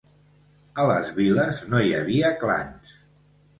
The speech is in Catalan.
A les viles no hi havia clans.